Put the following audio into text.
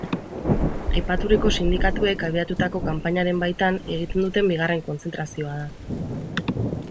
Aipaturiko sindikatuek abiatutako kanpainaren baitan egiten duten bigarren kontzentrazioa da.